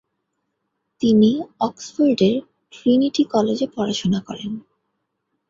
তিনি অক্সফোর্ডের ট্রিনিটি কলেজে পড়াশোনা করেন।